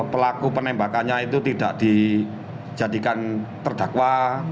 pelaku penembakannya itu tidak dijadikan terdakwa